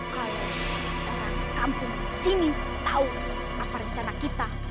kalau orang kampung sini tahu apa rencana kita